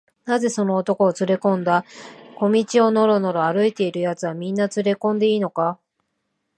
「なぜその男をつれこんだんだ？小路をのろのろ歩いているやつは、みんなつれこんでいいのか？」